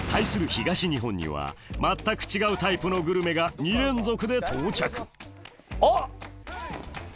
東日本には全く違うタイプのグルメが２連続で到着あっ！